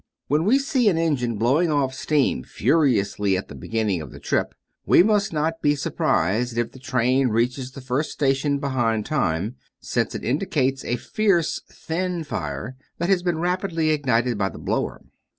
When we see an engine blowing off steam furiously at the beginning of the trip, we must not be surprised if the train reaches the first station behind time, since it indicates a fierce, thin fire, that has been rapidly ignited by the blower.